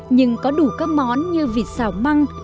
nhưng có đủ các món như vịt xào măng